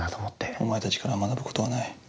お前たちから学ぶことはない。